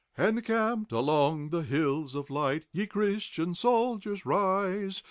En camped a long the hills of light, Ye Chris tian sol diers, rise, 2.